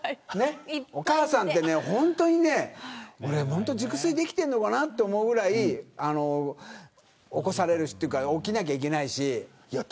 お母さんって本当に熟睡できてるのかなと思うぐらい起こされるし。というか起きなきゃいけないし。